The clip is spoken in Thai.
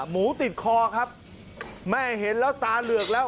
หมูติดคอครับแม่เห็นแล้วตาเหลือกแล้ว